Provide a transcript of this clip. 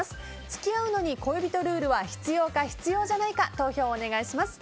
付き合うのに恋人ルールは必要か必要じゃないか投票をお願いします。